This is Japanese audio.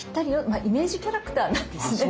あイメージキャラクターなんですね。